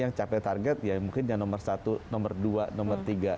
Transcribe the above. yang capek target ya mungkin yang nomor satu nomor dua nomor tiga